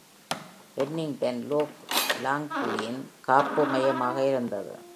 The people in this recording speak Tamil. வென்னிங்டன் லூக் லாங்லியின் காப்பு மையமாக இருந்தது.